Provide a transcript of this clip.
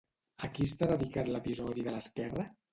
A qui està dedicat l'episodi de l'esquerra?